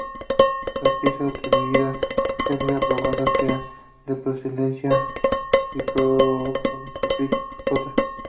La pieza atribuida a Chipre probablemente sea de procedencia chipriota.